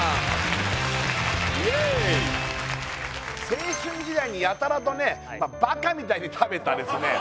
青春時代にやたらとねバカみたいに食べたですね